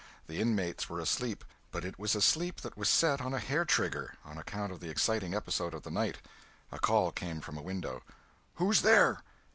The inmates were asleep, but it was a sleep that was set on a hair trigger, on account of the exciting episode of the night. A call came from a window: "Who's there!"